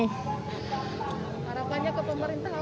harapannya ke pemerintah apa nih